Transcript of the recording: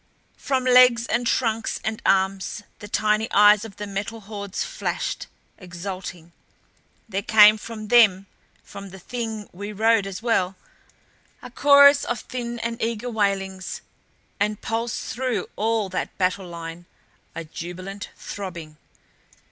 From legs and trunks and arms the tiny eyes of the Metal Hordes flashed, exulting. There came from them, from the Thing we rode as well, a chorus of thin and eager wailings and pulsed through all that battle line, a jubilant throbbing.